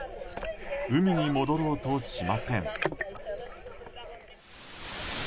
海に戻ろうとしません。